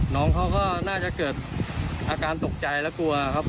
น้องเขาก็น่าจะเกิดอาการตกใจและกลัวครับ